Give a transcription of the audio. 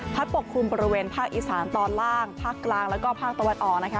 ปกคลุมบริเวณภาคอีสานตอนล่างภาคกลางแล้วก็ภาคตะวันออกนะคะ